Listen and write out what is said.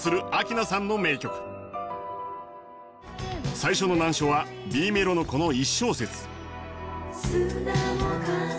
最初の難所はＢメロのこの１小節。